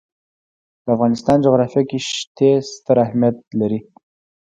د افغانستان جغرافیه کې ښتې ستر اهمیت لري.